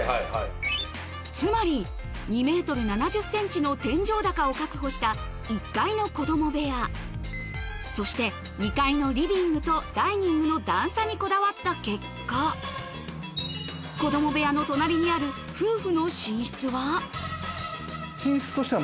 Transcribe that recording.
つまり２ｍ７０ｃｍの天井高を確保した１階の子ども部屋そして２階のリビングとダイニングの段差にこだわった結果子ども部屋の隣にある高い。